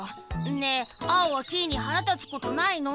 ねえアオはキイにはらたつことないの？